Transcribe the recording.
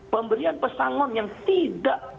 pemberian pesangon yang tidak